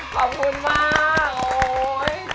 ขอบคุณมาก